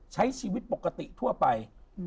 ใช้ชีวิตปกติทั่วไป